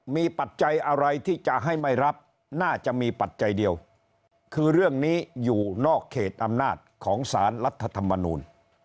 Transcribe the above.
มีปัจจัยอะไรที่จะให้ไม่รับน่าจะมีปัจจัยเดียวคือเรื่องนี้อยู่นอกเขตอำนาจของสารรัฐธรรมนูล